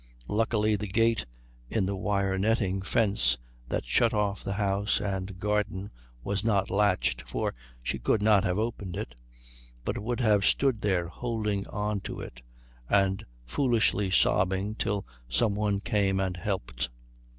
Luckily the gate in the wire netting fence that shut off the house and garden was not latched, for she could not have opened it, but would have stood there holding on to it and foolishly sobbing till some one came and helped.